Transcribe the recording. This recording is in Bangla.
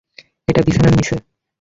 এটা বিছানার নিচে।